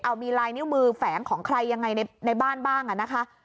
เอามีลายนิ้วมือแฝงของใครยังไงในบ้านบ้างนะคะ